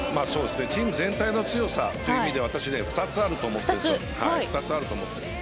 チーム全体の強さという意味で私２つあると思ってるんです。